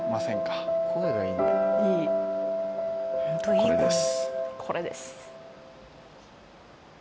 これです。